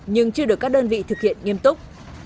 nhưng chưa được các đơn vị thực hiện nghiêm túc